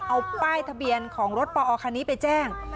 เอาป้ายทะเบียนของรถปอคันนี้ไปแจ้ง